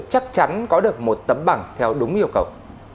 chắc chắn có được một tấm bằng theo đúng yêu cầu